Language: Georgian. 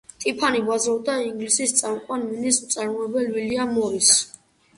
ტიფანი ბაძავდა ინგლისის წამყვან მინის მწარმოებელს ვილიამ მორისს.